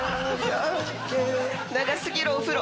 長過ぎるお風呂